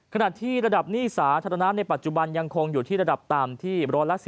ขณะที่ระดับหนี้สาธารณะในปัจจุบันยังคงอยู่ที่ระดับต่ำที่๑๑๐